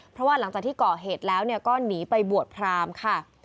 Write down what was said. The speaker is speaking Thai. เพราะว่าหลังจากที่ก่อเหตุแล้วก็หนีไปบวชพรามค่ะ